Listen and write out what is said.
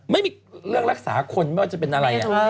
ไม่มีเรื่องรักษาคนไม่ว่าจะเป็นอะไร